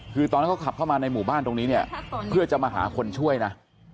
คือตอนนั้นเขาขับเข้ามาในหมู่บ้านตรงนี้เนี่ยเพื่อจะมาหาคนช่วยนะ